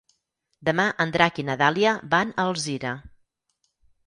Demà en Drac i na Dàlia van a Alzira.